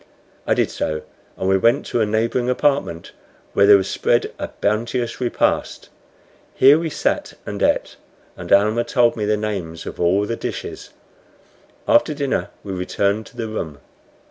I did so, and we went to a neighboring apartment, where there was spread a bounteous repast. Here we sat and ate, and Almah told me the names of all the dishes. After dinner we returned to the room.